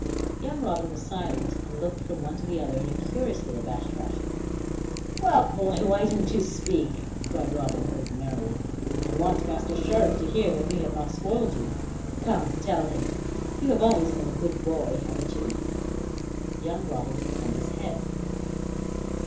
Young Robin was silent, and looked from one to the other in a curiously abashed fashion. "Well, boy, why don't you speak?" cried Robin Hood merrily. "I want Master Sheriff to hear that we have not spoiled you. Come, tell him. You have always been a good boy, haven't you?" Young Robin hung his head.